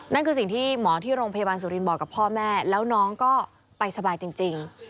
นั่นคือสิ่งที่หมอที่โรงพยาบาลสุรินบอกกับพ่อแม่แล้วน้องก็ไปสบายจริง